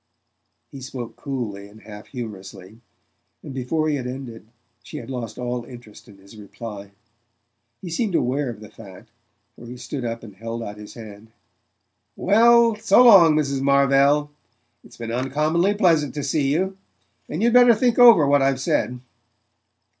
He spoke coolly and half humorously, and before he had ended she had lost all interest in his reply. He seemed aware of the fact, for he stood up and held out his hand. "Well, so long, Mrs. Marvell. It's been uncommonly pleasant to see you; and you'd better think over what I've said."